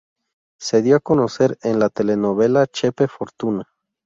Se dio a conocer en la Telenovela Chepe Fortuna.